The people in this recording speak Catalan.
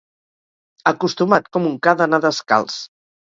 Acostumat com un ca d'anar descalç.